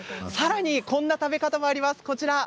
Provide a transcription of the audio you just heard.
さらにこんな食べ方もあります。